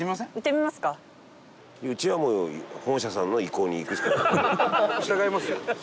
うちはもう本社さんの意向に行くしかない。